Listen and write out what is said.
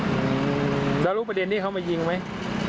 แล้วรู้ประเด็นที่เขามายิงไหม